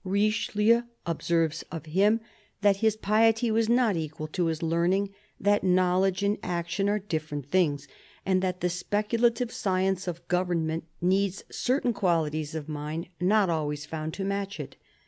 Richelieu observes of him that his piety was not equal to his learning, that knowledge and action are different things, and that the speculative science of government needs certain quahties of mind not always found to match it.